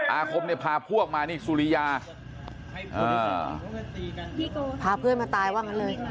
อาคมเนี่ยพาพวกมานี่สุริยาพาเพื่อนมาตายว่างั้นเลย